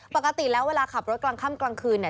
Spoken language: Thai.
ปกติแล้วเวลาขับรถกลางข้ามกลางคืน